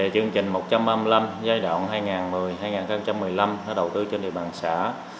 chương trình một trăm ba mươi năm giai đoạn hai nghìn một mươi hai nghìn một mươi năm đầu tư trên địa bàn xã